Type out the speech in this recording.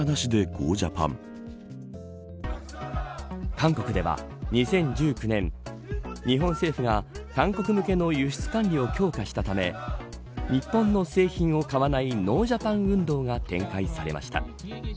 韓国では２０１９年日本政府が韓国向けの輸出管理を強化したため日本の製品を買わないノージャパン運動が展開されました。